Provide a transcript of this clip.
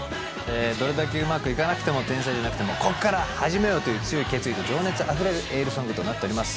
どれだけ上手くいかなくても天才じゃなくても「こっから」始めよう！という強い決意と情熱溢れるエールソングとなっております